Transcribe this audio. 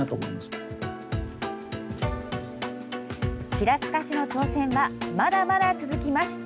平塚市の挑戦はまだまだ続きます。